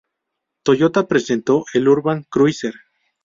Toyota presentó el Urban Cruiser.